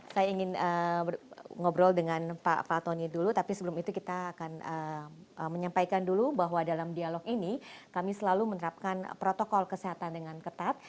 saya ingin ngobrol dengan pak tony dulu tapi sebelum itu kita akan menyampaikan dulu bahwa dalam dialog ini kami selalu menerapkan protokol kesehatan dengan ketat